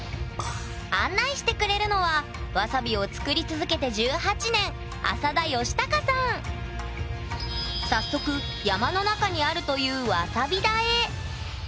案内してくれるのはわさびを作り続けて１８年早速山の中にあるというわさび田。